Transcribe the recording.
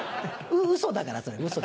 ウソだからそれウソ。